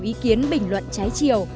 ý kiến bình luận trái chiều